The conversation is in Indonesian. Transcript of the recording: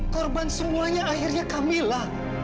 korban semuanya akhirnya kamila